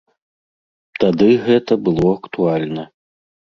Тады гэта было актуальна.